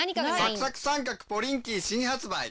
サクサク三角ポリンキー新発売。